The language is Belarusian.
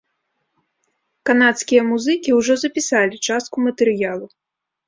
Канадскія музыкі ўжо запісалі частку матэрыялу.